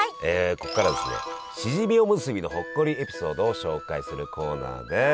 ここからですねしじみおむすびのほっこりエピソードを紹介するコーナーです！